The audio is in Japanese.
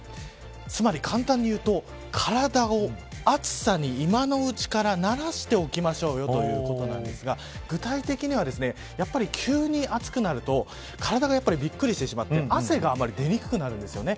つまり、簡単に言うと体を暑さに今のうちから慣らしておきましょうよということなんですが具体的にはやっぱり、急に暑くなると体がびっくりしてしまって汗が出にくくなるんですね。